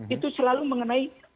itu selalu mengenai